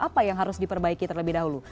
apa yang harus diperbaiki terlebih dahulu